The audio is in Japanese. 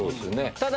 ただ。